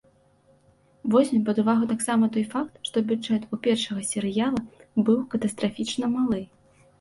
Возьмем пад увагу таксама той факт, што бюджэт у першага серыяла быў катастрафічна малы.